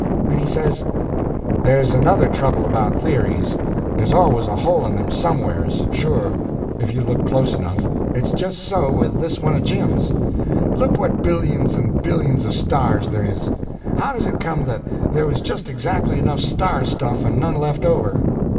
And he says: "There's another trouble about theories: there's always a hole in them somewheres, sure, if you look close enough. It's just so with this one of Jim's. Look what billions and billions of stars there is. How does it come that there was just exactly enough star stuff, and none left over?